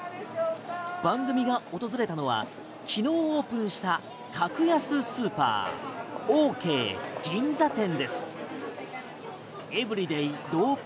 番組が訪れたのは昨日オープンした格安スーパーオーケー銀座店です。